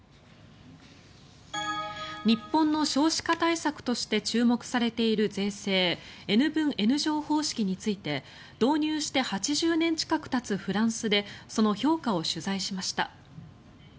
日本の少子化対策として注目されている税制Ｎ分Ｎ乗方式について導入して８０年近くたつフランスでその評価を取材しました。